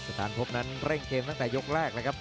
สถานพบนั้นเร่งเกมตั้งแต่ยกแรกแล้วครับ